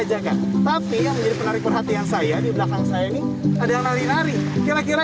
ajakan tapi yang menjadi penarik perhatian saya di belakang saya ini adalah nari nari kira kira